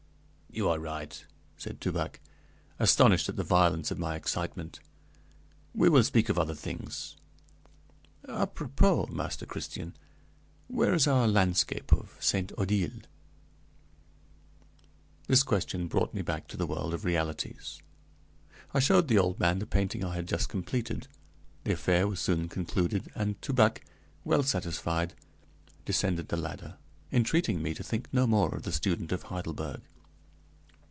"You are right," said Toubac, astonished at the violence of my excitement. "We will speak of other things. Apropos, Master Christian, where is our landscape of 'Saint Odille'?" This question brought me back to the world of realities. I showed the old man the painting I had just completed. The affair was soon concluded, and Toubac, well satisfied, descended the ladder, entreating me to think no more of the student of Heidelberg.